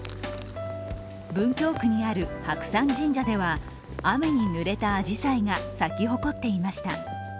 文京区にある白山神社では雨にぬれたあじさいが咲き誇っていました。